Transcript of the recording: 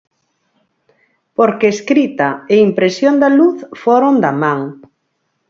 Porque escrita e impresión da luz foron da man.